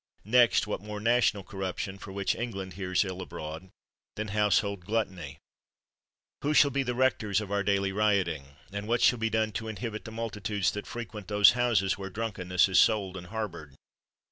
Next, what more national corruption, for which England hears ill abroad, than household 93 THE WORLD'S FAMOUS ORATIONS gluttony: who shall be the rectors of our daily rioting*? And what shall be done to inhibit the multitudes that frequent those houses where drunkenness is sold and harbored?